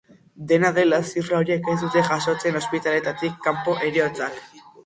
Dena dela, zifra horiek ez dute jasotzen ospitaleetatik kanpoko heriotzak.